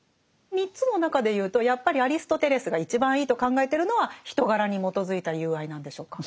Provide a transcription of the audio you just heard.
３つの中で言うとやっぱりアリストテレスが一番いいと考えてるのは人柄に基づいた友愛なんでしょうか？